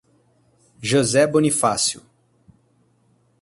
José Bonifácio